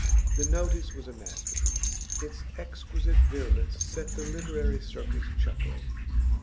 The notice was a masterpiece; its exquisite virulence set the literary circles chuckling.